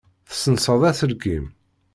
Tessenseḍ aselkim.